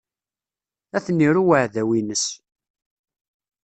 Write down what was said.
Ad ten-iru uɛdaw-ines.